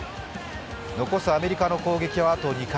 残すアメリカの攻撃はあと２回。